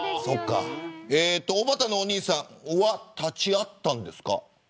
おばたのお兄さんは立ち会ったんですか。